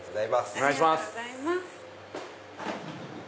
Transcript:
お願いします。